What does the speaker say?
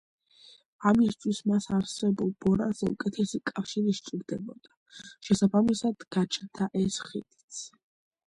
ამისთვის მას არსებულ ბორანზე უკეთესი კავშირი სჭირდებოდა, შესაბამისად გაჩნდა ეს ხიდიც.